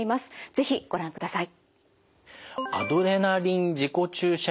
是非ご覧ください。